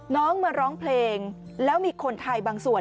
น้องมาร้องเพลงแล้วมีคนไทยบางส่วน